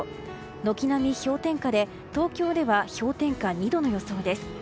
軒並み氷点下で東京では氷点下２度の予想です。